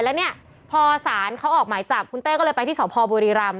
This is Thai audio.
แล้วเนี่ยพอสารเขาออกหมายจับคุณเต้ก็เลยไปที่สพบุรีรำ